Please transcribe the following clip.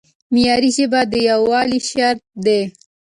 معیاري ژبه د یووالي شرط دی.